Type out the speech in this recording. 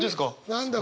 何だ？